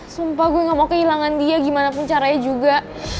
sumpah gue gak mau kehilangan dia gimana pun caranya juga